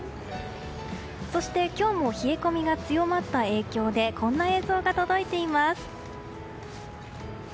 そして、今日も冷え込みが強まった影響でこんな映像が届いています。